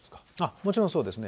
もちろんそうですね。